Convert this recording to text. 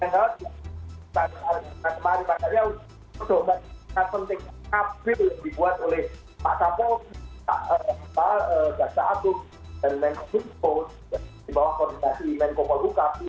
sangat penting dan sangat penting